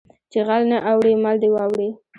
ـ چې غل نه اوړي مل دې واوړي .